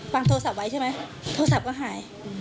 โทรศัพท์ไว้ใช่ไหมโทรศัพท์ก็หาย